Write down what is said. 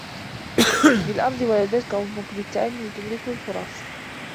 بالأرض ولدتك أمك بالتأني تُدْرَكُ الفُرَصُ